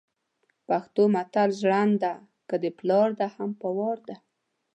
پښتو متل ژرنده که دپلار ده هم په وار ده